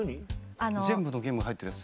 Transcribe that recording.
全部のゲーム入ってるやつ？